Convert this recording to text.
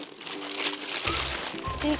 すてき！